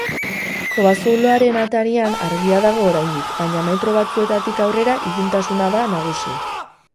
Kobazuloaren atarian argia dago oraindik, baina metro batzuetatik aurrera iluntasuna da nagusi.